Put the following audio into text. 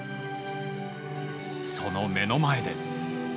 その目の前で。